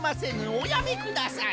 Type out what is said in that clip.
おやめください。